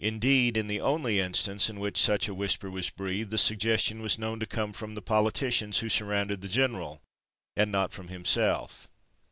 Indeed, in the only instance in which such a whisper was breathed the suggestion was known to come from the politicians who surrounded the general, and not from himself.